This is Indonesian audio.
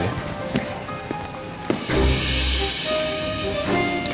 kamu yang kenapa